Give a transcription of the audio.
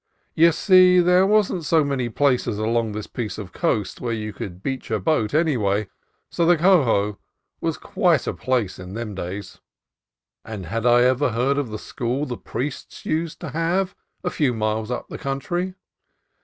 "You see, there was n't so many places along this piece of coast where you A MARBLEHEAD SKIPPER 117 could beach a boat, anyway, so the Cojo was quite a place in them days." And had I ever heard of the school the priests used to have a few miles up the country?